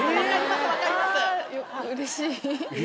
うれしい。